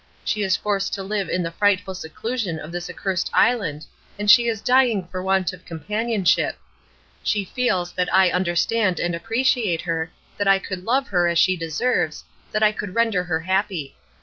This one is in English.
She is forced to live in the frightful seclusion of this accursed island, and she is dying for want of companionship. She feels that I understand and appreciate her, that I could love her as she deserves, that I could render her happy.